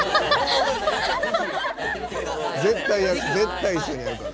絶対一緒にやるから。